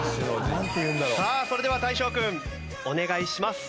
さあそれでは大昇君お願いします。